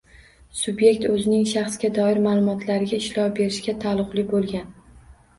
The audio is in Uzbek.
Subyekt o‘zining shaxsga doir ma’lumotlariga ishlov berishga taalluqli bo‘lgan